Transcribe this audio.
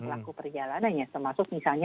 pelaku perjalanannya termasuk misalnya